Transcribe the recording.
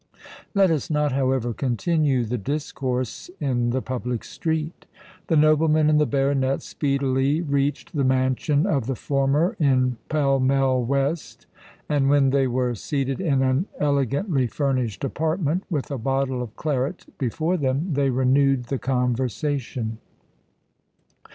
Let us not, however, continue the discourse in the public street." The nobleman and the baronet speedily reached the mansion of the former in Pall Mall West; and when they were seated in an elegantly furnished apartment, with a bottle of claret before them, they renewed the conversation.